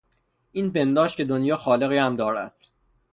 این پنداشت که دنیا خالقی هم دارد...